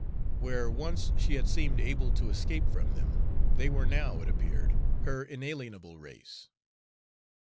Where once she had seemed able to escape from them, they were now, it appeared, her inalienable race.